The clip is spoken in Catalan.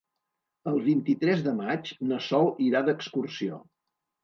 El vint-i-tres de maig na Sol irà d'excursió.